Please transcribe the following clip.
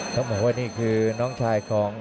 ต้องบอกว่านี่คือน้องชายของ